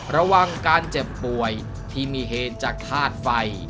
ระวังการเจ็บป่วยที่มีเหตุจากธาตุไฟ